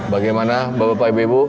bagaimana bapak ibu ibu